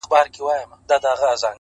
سیاه پوسي ده ـ ورته ولاړ یم ـ